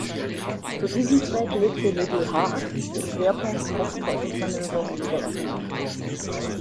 Zu diesem Zweck legte Liddell Hart den Schwerpunkt auf Täuschungsmanöver und Überraschungen.